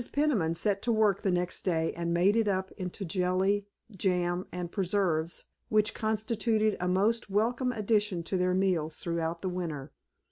Peniman set to work the next day and made it up into jelly, jam, and preserves, which constituted a most welcome addition to their meals throughout the winter.